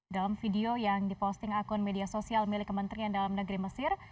dalam video yang diposting akun media sosial milik kementerian dalam negeri mesir